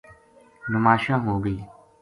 نماشاں ہوگئی